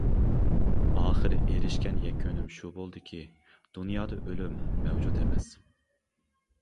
ئاخىرى ئېرىشكەن يەكۈنۈم شۇ بولدىكى، دۇنيادا ئۆلۈم مەۋجۇت ئەمەس.